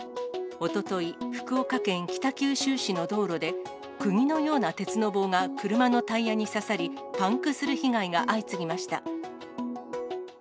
おととい、福岡県北九州市の道路で、くぎのような鉄の棒が車のタイヤに刺さり、パンクする被害が相次ぎました。